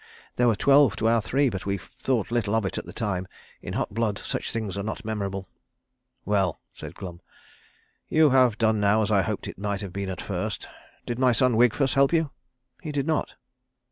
They were twelve to our three; but we thought little of it at the time. In hot blood such things are not memorable." "Well," said Glum, "you have done now as I hoped it might have been at first. Did my son Wigfus help you?" "He did not."